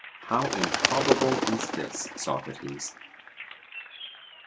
How improbable is this, Socrates!